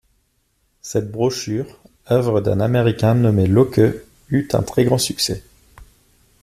Cette brochure, œuvre d’un Américain nommé Locke, eut un très-grand succès.